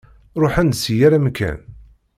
Ṛuḥen-d si yal amkan.